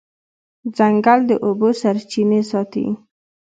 ځنګل د اوبو سرچینې ساتي.